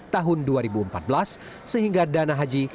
tahun dua ribu empat belas sehingga dana haji